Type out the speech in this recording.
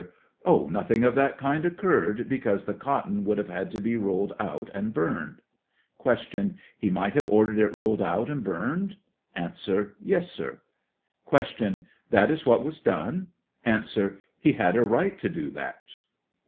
Oh, nothing of that kind occurred, because the cotton would have to be rolled out and burned. Q. He might have Ordered it rolled out and burned ? A. Yes, sir. Q. That is what was done ? A. He had a right to do that.